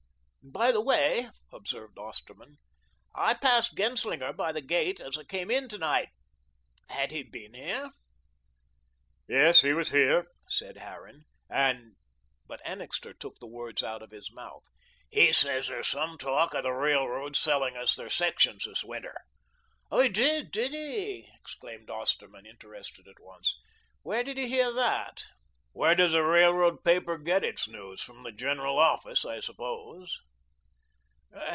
"By the way," observed Osterman, "I passed Genslinger by the gate as I came in to night. Had he been here?" "Yes, he was here," said Harran, "and " but Annixter took the words out of his mouth. "He says there's some talk of the railroad selling us their sections this winter." "Oh, he did, did he?" exclaimed Osterman, interested at once. "Where did he hear that?" "Where does a railroad paper get its news? From the General Office, I suppose."